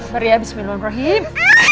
mari ya bismillahirrahmanirrahim